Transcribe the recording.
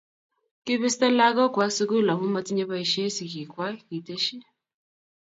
Kibesto lakook kwak sukul amu matinye boisie sikiik kwak, kiteshi.